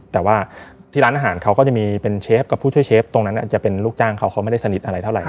แต่ว่าที่ร้านอาหารเขาก็จะมีเป็นเชฟกับผู้ช่วยเชฟตรงนั้นอาจจะเป็นลูกจ้างเขาเขาไม่ได้สนิทอะไรเท่าไหร